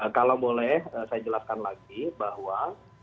kalau boleh saya jelaskan lagi bahwa